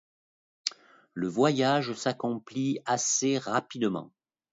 Le voyage s’accomplit assez rapidement.